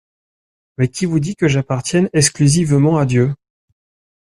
Mais qui vous dit que j'appartienne exclusivement à Dieu?